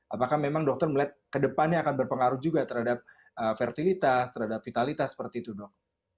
apakah memang dokter melihat ke depannya akan berpengaruh juga terhadap fertilitas terhadap vitalitas seperti itu dok